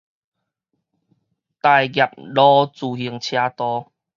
大業路自行車道